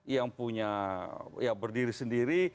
yang punya ya berdiri sendiri